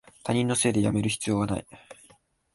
他人のせいでやめる必要はない